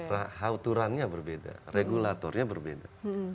rauturannya berbeda regulatornya berbeda